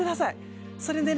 それでね。